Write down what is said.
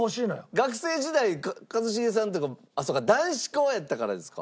学生時代一茂さんとかあっそっか男子校やったからですか。